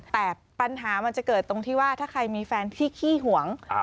แต่ปัญหามันจะเกิดตรงที่ว่าถ้าใครมีแฟนพี่ขี้หวง